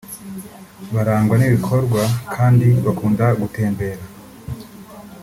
barangwa n’ibikorwa kandi bakunda gutembera